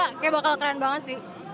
kayaknya bakal keren banget sih